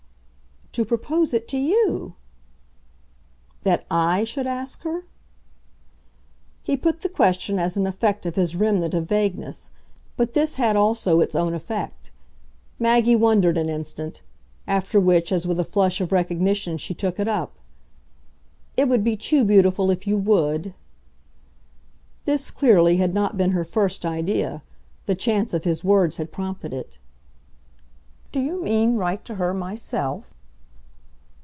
"To propose it to you." "That I should ask her?" He put the question as an effect of his remnant of vagueness, but this had also its own effect. Maggie wondered an instant; after which, as with a flush of recognition, she took it up. "It would be too beautiful if you WOULD!" This, clearly, had not been her first idea the chance of his words had prompted it. "Do you mean write to her myself?"